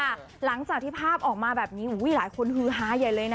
หลังจากที่ภาพออกมาแบบนี้หลายคนฮือฮาใหญ่เลยนะ